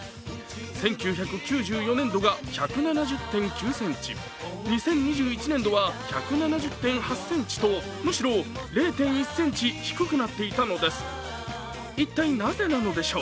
１９９４年度が１７０．９ｃｍ、２０２１年度は１７０．８ｃｍとむしろ０．１ｃｍ低くなっていたのです一体なぜなのでしょう。